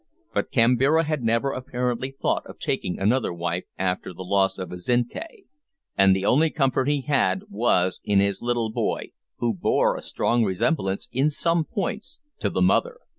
But Kambira had never apparently thought of taking another wife after the loss of Azinte, and the only comfort he had was in his little boy, who bore a strong resemblance, in some points, to the mother.